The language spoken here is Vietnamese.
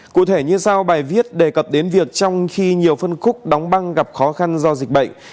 cụ thể như sau bài viết đề cập đến việc trong khi nhiều phân khúc đóng băng gặp khó khăn do dịch bệnh